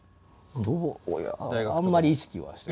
あんまり意識はして。